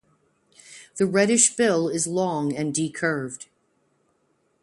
The reddish bill is long and decurved.